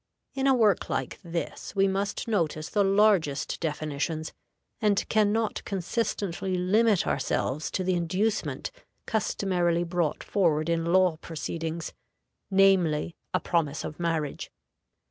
In a work like this we must notice the largest definitions, and can not consistently limit ourselves to the inducement customarily brought forward in law proceedings, namely, "a promise of marriage."